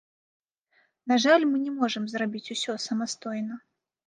На жаль, мы не можам зрабіць усё самастойна.